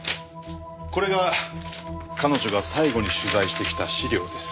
これが彼女が最後に取材してきた資料です。